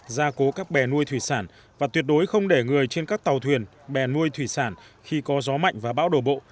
gia cố các bè nuôi thủy sản và tuyệt đối không để người trên các tàu thuyền bè nuôi thủy sản khi có gió mạnh và bão đổ bộ